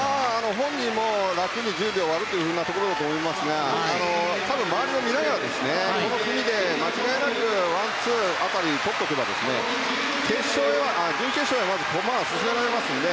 本人も楽に１０秒を割ると思いますが多分、周りを見ながらこの組で間違いなくワンツー辺りをとっておけば準決勝へ駒は進められますから。